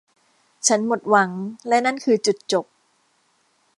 ฉันหมดหวังและนั่นคือจุดจบ